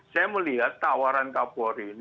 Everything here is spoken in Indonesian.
saya melihat tawaran kapolri ini